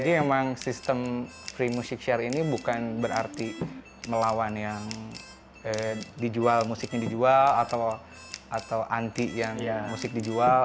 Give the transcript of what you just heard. jadi emang sistem free music share ini bukan berarti melawan yang dijual musiknya dijual atau anti yang musik dijual